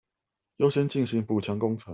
優先進行補強工程